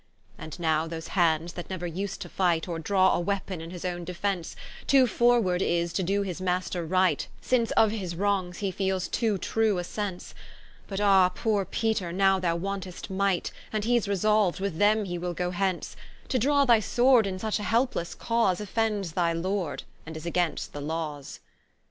And now those hands, that neuer vs'd to fight, Or drawe a weapon in his owne defence, Too forward is, to doe his Master right, Since of his wrongs, hee feeles to true a sence: But ah poore Peter now thou wantest might, And hee's resolu'd, with them he will goe hence: To draw thy sword in such a helplesse cause, Offends thy Lord, and is against the Lawes.